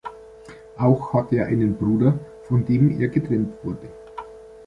Auch hat er einen Bruder, von dem er getrennt wurde.